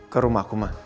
ke rumahku ma